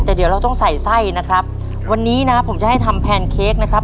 แต่เดี๋ยวเราต้องใส่ไส้นะครับวันนี้นะผมจะให้ทำแพนเค้กนะครับ